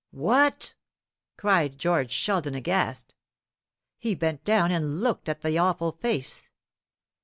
"WHAT!" cried George Sheldon, aghast. He bent down and looked at the awful face.